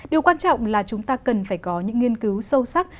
điều quan trọng là chúng ta cần phải có những nghiên cứu sâu sắc